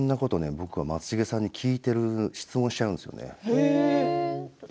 僕は松重さんに質問しちゃうんですよね